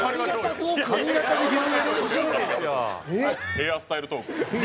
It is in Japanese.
ヘアスタイルトーク。